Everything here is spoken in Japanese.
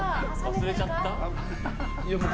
忘れちゃった？